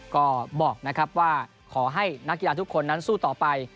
ก็บอกนะครับว่าขอให้นักกีฬาทุกคนนั้นสู้ต่อไป